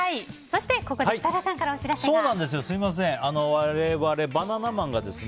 そして、ここで設楽さんからお知らせがあります。